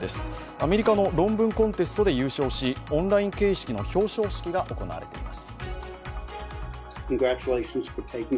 アメリカの論文コンテストで優勝しオンライン形式の表彰式が行われています。